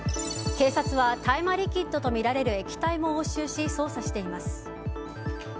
警察は大麻リキッドとみられる液体も押収し捜査しています。